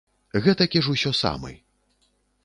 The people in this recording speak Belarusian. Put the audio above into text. Гэтакі ж усё самы.